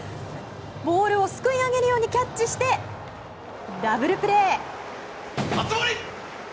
ボールをすくい上げるようにキャッチしてダブルプレー。